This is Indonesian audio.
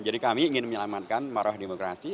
jadi kami ingin menyelamatkan marah demokrasi